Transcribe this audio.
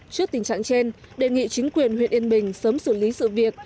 trước tình trạng trên đề nghị chính quyền huyện yên bình sớm xử lý sự việc